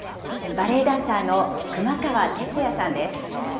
バレエダンサーの熊川哲也さんです。